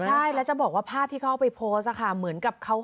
ใช่แล้วจะบอกว่าภาพที่เขาเอาไปโพสต์ค่ะเหมือนกับเขา